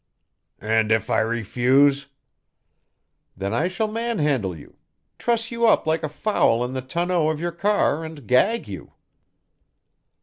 "And if I refuse " "Then I shall manhandle you, truss you up like a fowl in the tonneau of your car, and gag you."